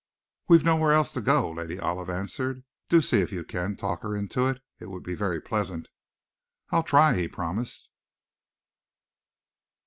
"We've nowhere else to go," Lady Olive answered. "Do see if you can talk her into it. It would be very pleasant." "I'll try," he promised.